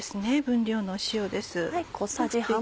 分量の塩です。